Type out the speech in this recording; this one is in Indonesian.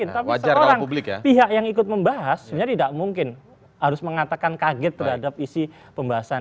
tapi seorang pihak yang ikut membahas sebenarnya tidak mungkin harus mengatakan kaget terhadap isi pembahasan